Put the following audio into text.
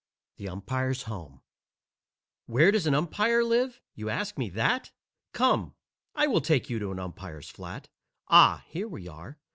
_ THE UMPIRE'S HOME Where does an umpire live? You ask me that? Come, I will take you to an umpire's flat. Ah! Here we are!